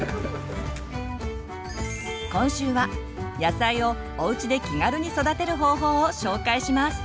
今週は野菜をおうちで気軽に育てる方法を紹介します。